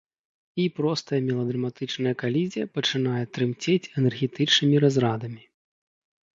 І простая меладраматычная калізія пачынае трымцець энергетычнымі разрадамі.